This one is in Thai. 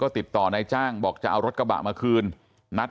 ติดต่อนายจ้างบอกจะเอารถกระบะมาคืนนัด